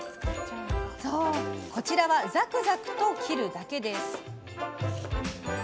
こちらはざくざくと切るだけです。